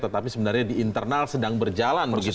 tetapi sebenarnya di internal sedang berjalan begitu